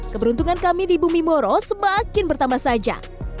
keberuntungan kami di bumi moro semakin bertambah saja